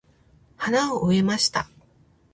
花を植えました。